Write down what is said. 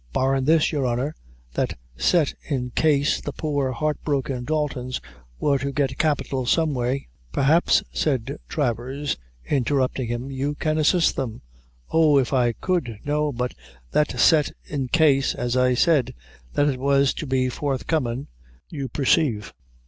"Barrin' this, your honor, that set in case the poor heart broken Daltons wor to get capital some way." "Perhaps," said Travers, interrupting him, "you can assist them." "Oh, if I could! no, but that set in case, as I said, that it was to be forthcomin', you persave.